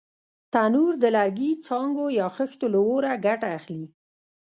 تنور د لرګي، څانګو یا خښتو له اوره ګټه اخلي